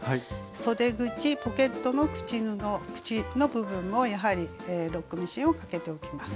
そで口ポケットの口の部分もやはりロックミシンをかけておきます。